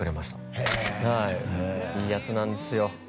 へえはいいいやつなんですよ